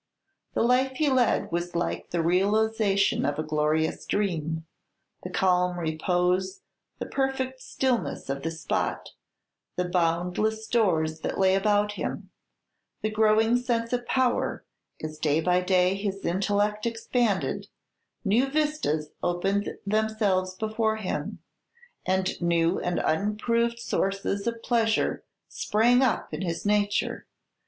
The life he led was like the realization of a glorious dream, the calm repose, the perfect stillness of the spot, the boundless stores that lay about him; the growing sense of power, as day by day his intellect expanded; new vistas opened themselves before him, and new and unproved sources of pleasure sprang up in his nature.